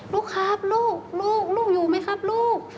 ลูกครับลูกลูกอยู่ไหมครับลูก